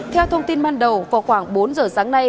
theo thông tin ban đầu vào khoảng bốn giờ sáng nay